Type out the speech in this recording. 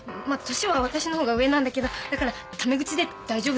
年は私の方が上なんだけどだからタメ口で大丈夫です。